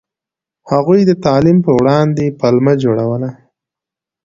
هغوی د تعلیم په وړاندې پلمه جوړوله.